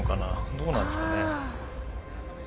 どうなんですかね？